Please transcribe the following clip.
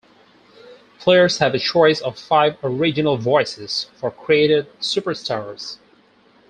Players have a choice of five original voices for created superstars.